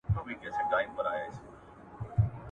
• هر څه پر خپل وخت ښه خوند کوي.